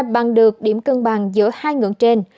bằng được điểm cân bằng giữa hai ngưỡng trên